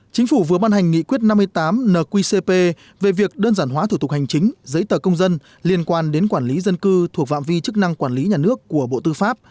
chính phủ vừa ban hành nghị quyết năm mươi tám nqcp về việc đơn giản hóa thủ tục hành chính giấy tờ công dân liên quan đến quản lý dân cư thuộc phạm vi chức năng quản lý nhà nước của bộ tư pháp